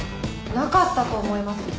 なかったと思います。